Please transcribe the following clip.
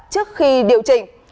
trước khi điều chỉnh